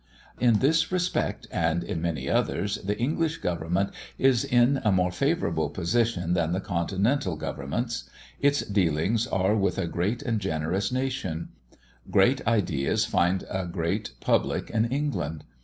In this respect, and in many others, the English Government is in a more favourable position than the continental governments. Its dealings are with a great and generous nation: great ideas find a great public in England.